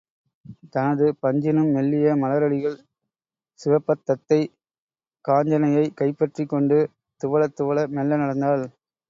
தனது பஞ்சினும் மெல்லிய மலரடிகள் சிவப்பத் தத்தை காஞ்சனையைக் கைப்பற்றிக் கொண்டு துவளத் துவள மெல்ல நடந்தாள்.